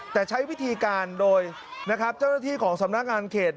แต่ใช้วิธีการโดยนะครับเจ้าหน้าที่ของสำนักงานเขต